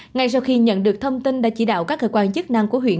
ngay sau khi nhận được thông tin đã chỉ đạo các cơ quan chức năng của huyện